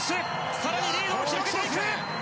更にリードを広げていく！